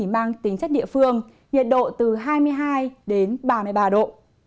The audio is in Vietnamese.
mang tính chất địa phương nhiệt độ từ hai mươi hai đến ba mươi ba độ